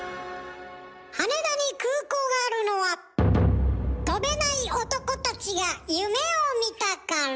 羽田に空港があるのは飛べない男たちが夢を見たから。